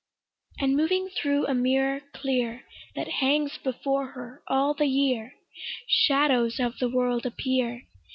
And moving thro' a mirror clear That hangs before her all the year, Shadows of the world appear.